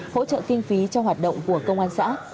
hỗ trợ kinh phí cho hoạt động của công an xã